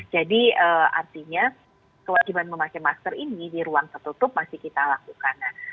jadi artinya kewajiban memakai masker ini di ruang tertutup masih kita lakukan